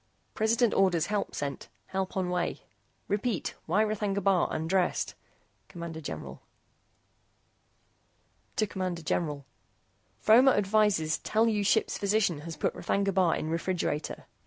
PRESIDENT ORDERS HELP SENT. HELP ON WAY. REPEAT. WHY R'THAGNA BAR UNDRESSED? CMD GENERAL CMD GENERAL FROMER ADVISES TELL YOU SHIPS PHYSICIAN HAS PUT R'THAGNA BAR IN REFRIGERATOR.